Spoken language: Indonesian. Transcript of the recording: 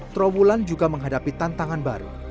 trawulan juga menghadapi tantangan baru